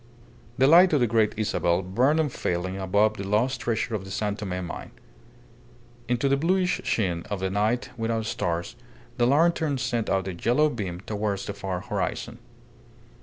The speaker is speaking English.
The light of the Great Isabel burned unfailing above the lost treasure of the San Tome mine. Into the bluish sheen of a night without stars the lantern sent out a yellow beam towards the far horizon.